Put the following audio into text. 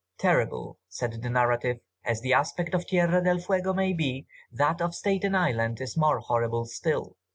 "Terrible," said the narrative, "as the aspect of Tierra del Fuego may be, that of Staten Island is more horrible still.